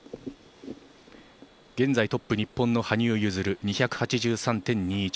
現在トップは日本の羽生結弦２８３．２１。